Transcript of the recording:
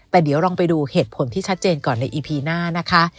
แต่เดี๋ยวลองไปดูเหตุผลที่ชัดเจนก่อนในอีพีหน้านะคะ